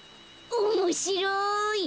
おもしろい！